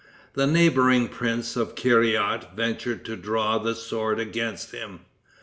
The neighboring prince of Kerait ventured to draw the sword against him.